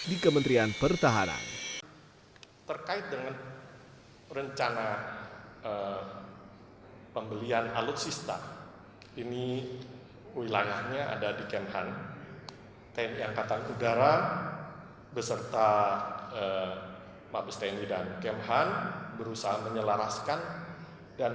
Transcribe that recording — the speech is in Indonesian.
di kementerian pertahanan